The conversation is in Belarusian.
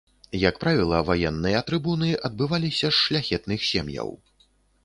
Як правіла, ваенныя трыбуны адбываліся з шляхетных сем'яў.